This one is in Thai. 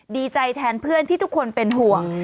ดีใจแทนเพื่อนที่ทุกคนเป็นห่วง